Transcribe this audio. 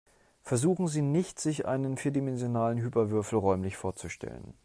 Versuchen Sie nicht, sich einen vierdimensionalen Hyperwürfel räumlich vorzustellen.